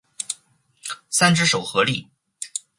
三只手合力。